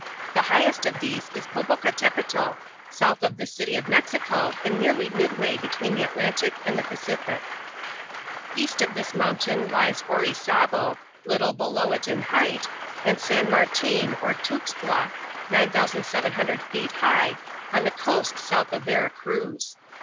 The highest of these is Popocatapetl, south of the city of Mexico and nearly midway between the Atlantic and Pacific. East of this mountain lies Orizabo, little below it in height, and San Martin or Tuxtla, 9,700 feet high, on the coast south of Vera Cruz.